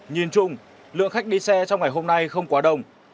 nhìn chung lượng khách đi xe trong ngày hôm nay không quá đông